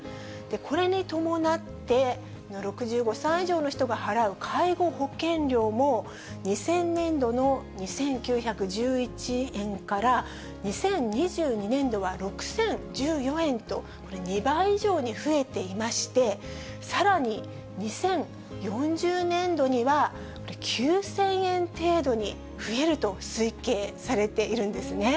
これに伴って、６５歳以上の人が払う介護保険料も、２０００年度の２９１１円から、２０２２年度は６０１４円と、これ、２倍以上に増えていまして、さらに２０４０年度には、これ、９０００円程度に増えると推計されているんですね。